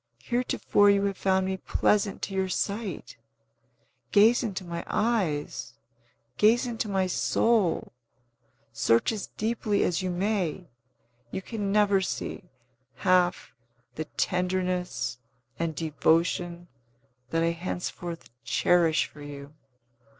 Heretofore you have found me pleasant to your sight. Gaze into my eyes! Gaze into my soul! Search as deeply as you may, you can never see half the tenderness and devotion that I henceforth cherish for you.